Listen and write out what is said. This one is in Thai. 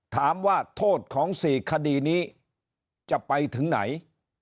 ถามว่าโทษของ๔คดีนี้จะไปถึงไหน